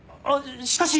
しかし。